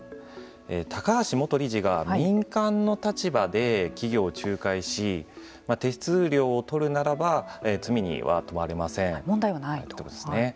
高橋元理事が民間の立場で企業を仲介し手数料を取るならば問題はないと。